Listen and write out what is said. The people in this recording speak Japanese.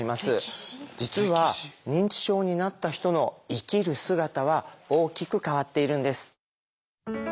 実は認知症になった人の生きる姿は大きく変わっているんです。